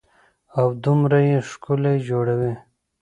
او دومره يې ښکلي جوړوي.